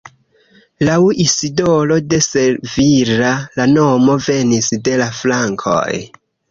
Laŭ Isidoro de Sevilla la nomo venis de la frankoj.